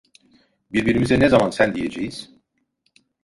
Birbirimize ne zaman sen diyeceğiz?